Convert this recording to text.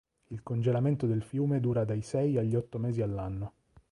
Il congelamento del fiume dura dai sei agli otto mesi all'anno.